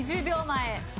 ２０秒前。